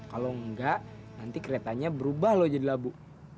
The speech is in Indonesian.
kalau enggak nanti keretanya berubah loh jadi labu